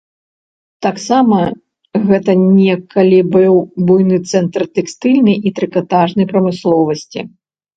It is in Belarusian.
Таксама гэта некалі быў буйны цэнтр тэкстыльнай і трыкатажнай прамысловасці.